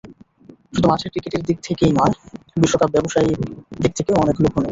শুধু মাঠের ক্রিকেটের দিক থেকেই নয়, বিশ্বকাপ ব্যবসায়িক দিক থেকেও অনেক লোভনীয়।